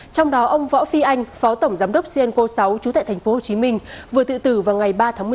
trong đó ông võ phi anh phó tổng giám đốc cnco sáu trú tại tp hcm vừa tự tử vào ngày ba tháng một mươi một